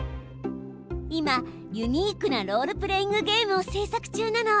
いまユニークなロールプレーイングゲームを制作中なの。